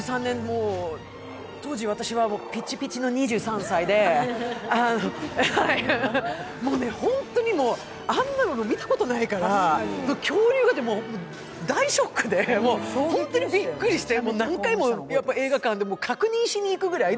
当時９３年、私はピチピチの２３歳で、もうね、あんなの見たことないから恐竜が大ショックで、本当にびっくりして、もう何回も映画館で確認しに行くぐらい。